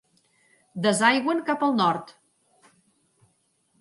Desaigüen cap al nord.